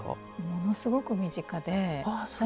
ものすごく身近で。